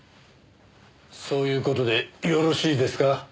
そういう事でよろしいですか？